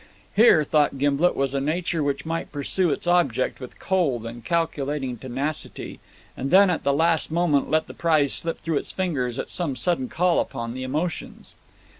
Here, thought Gimblet, was a nature which might pursue its object with cold and calculating tenacity, and then at the last moment let the prize slip through its fingers at some sudden call upon the emotions.